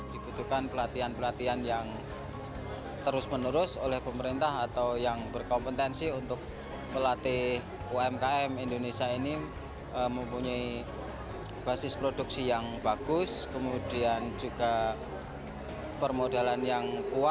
jadi kadang kita sudah berlomba lomba untuk produksi